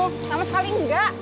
gak ada sama sekali enggak